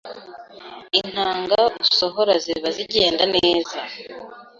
intanga usohora ziba zigenda neza